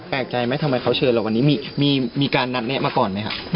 แปลกใจไหมทำไมเขาเชิญเราวันนี้มีการนัดแนะมาก่อนไหมครับ